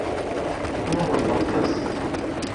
Тотоноғоҙ, баҫҡыс!